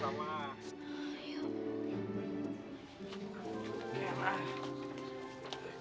sampai jumpa pak